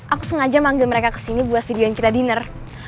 aku sengaja manggil mereka kesini buat videoin kita dinner